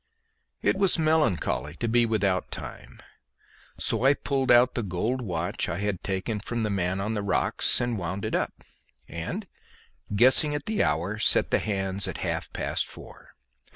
It was melancholy to be without time, so I pulled out the gold watch I had taken from the man on the rocks and wound it up, and guessing at the hour, set the hands at half past four.